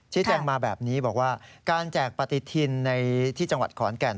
แจ้งมาแบบนี้บอกว่าการแจกปฏิทินในที่จังหวัดขอนแก่น